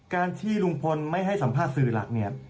การที่ลุงพลไม่ให้สัมภาษณ์สื่อหลักเนี่ย